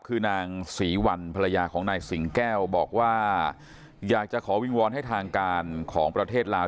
คือนางศรีวัลภรรยาของนายสิงแก้วบอกว่าอยากจะขอวิงวอนให้ทางการของประเทศลาว